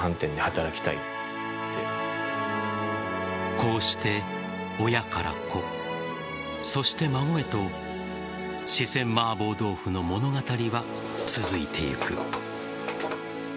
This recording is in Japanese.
こうして、親から子そして孫へと四川麻婆豆腐の物語は続いていく。